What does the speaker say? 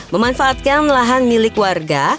memanfaatkan lahan milik warga